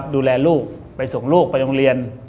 ดูแลลูกไปส่งลูกไปโรงเรียน